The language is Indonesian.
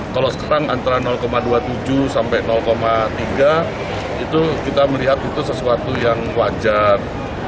kalau sekarang antara dua puluh tujuh sampai tiga itu kita melihat itu sesuatu yang wajar